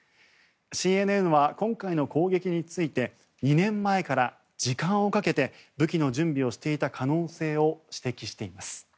ＣＮＮは今回の攻撃について２年前から時間をかけて武器の準備をしていた可能性を指摘しています。